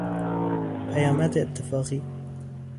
پیامد اتفاقی